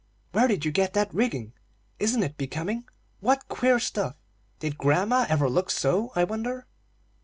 "Where did you get that rigging?" "Isn't it becoming?" "What queer stuff!" "Did grandma ever look so, I wonder?"